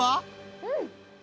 うん！